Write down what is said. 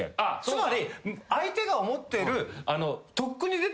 つまり相手が思ってる。